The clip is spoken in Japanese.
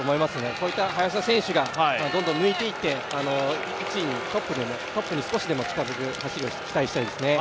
こういった林田選手がどんどん抜いていってトップに少しでも近づく走りを期待したいですね。